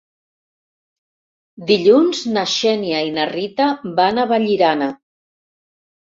Dilluns na Xènia i na Rita van a Vallirana.